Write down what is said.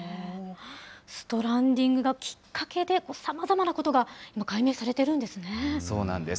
ストランディングがきっかけで、さまざまなことが解明されてそうなんです。